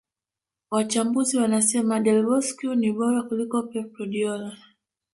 Wachambuzi wanasema Del Bosque ni bora kuliko Pep Guardiola